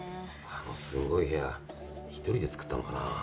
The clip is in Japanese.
あのすごい部屋ひとりで作ったのかな？